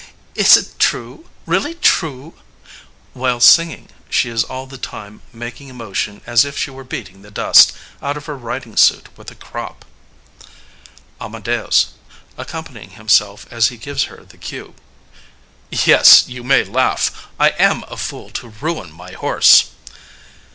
Is 't true, really true?" (While singing she is all the time making a motion as if she were beating the dust out of her riding suit with a crop) AMADEUS (accompanying himself as he gives her the cue) "Yes, you may laugh. I am a fool to ruin my horse